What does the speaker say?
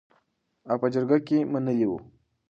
او په جرګه کې منلې وو .